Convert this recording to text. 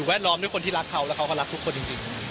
บอกว่าเรายังไงกัน